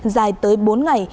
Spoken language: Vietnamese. dài tới bốn ngày